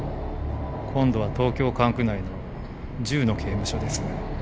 今度は東京管区内の１０の刑務所です。